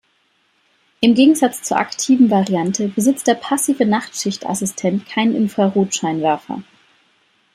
Im Gegensatz zur aktiven Variante besitzt der passive Nachtsicht-Assistent keinen Infrarot-Scheinwerfer.